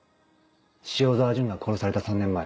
塩澤潤が殺された３年前。